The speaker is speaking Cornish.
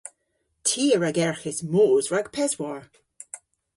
Ty a ragerghis moos rag peswar.